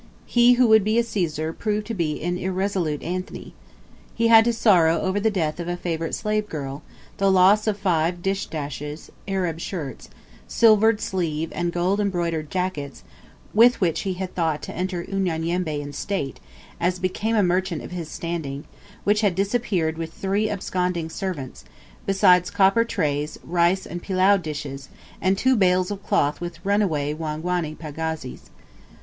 He who would be a Caesar, proved to be an irresolute Antony. He had to sorrow over the death of a favourite slave girl, the loss of five dish dashes (Arab shirts), silvered sleeve and gold embroidered jackets, with which he had thought to enter Unyanyembe in state, as became a merchant of his standing, which had disappeared with three absconding servants, besides copper trays, rice, and pilau dishes, and two bales of cloth with runaway Wangwana pagazis.